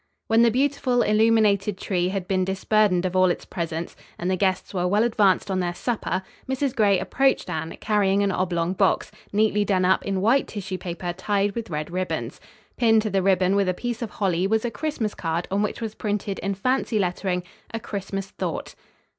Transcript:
When the beautiful, illuminated tree had been disburdened of all its presents and the guests were well advanced on their supper, Mrs. Gray approached Anne, carrying an oblong box, neatly done up in white tissue paper tied with red ribbons. Pinned to the ribbon with a piece of holly was a Christmas card on which was printed in fancy lettering "A Christmas Thought."